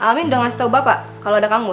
siap si amin udah ngasih tau bapak kalo ada kangmus